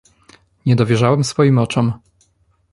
"Nie dowierzałem swoim oczom."